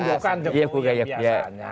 bukan jokowi yang biasanya